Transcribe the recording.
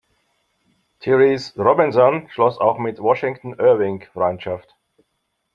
Therese Robinson schloss auch mit Washington Irving Freundschaft.